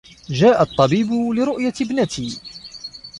جاء الطّبيب لروؤية ابنتي.